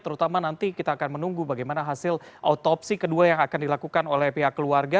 terutama nanti kita akan menunggu bagaimana hasil autopsi kedua yang akan dilakukan oleh pihak keluarga